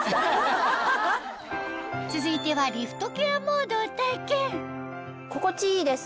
続いてはリフトケアモードを体験心地いいです。